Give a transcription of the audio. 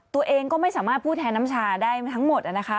ตัวเองก็ไม่สามารถพูดแทนน้ำชาได้ทั้งหมดนะคะ